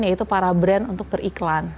yaitu para brand untuk beriklan